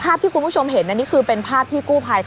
ภาพที่คุณผู้ชมเห็นอันนี้คือเป็นภาพที่กู้ภัย